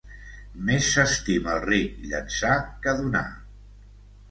Més s'estima el ric llençar que donar.